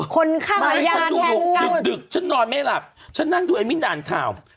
คนข้างอย่างแหลงเกาะดึกฉันนอนไม่หลับฉันนั่งดูไอมินอ่านข่าว